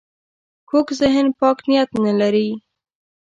کوږ ذهن پاک نیت نه لري